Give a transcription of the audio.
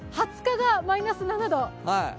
２０日がマイナス７度。